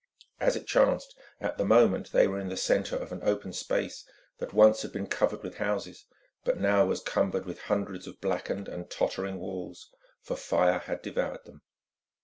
As it chanced, at the moment they were in the centre of an open space that once had been covered with houses but was now cumbered with hundreds of blackened and tottering walls, for fire had devoured them.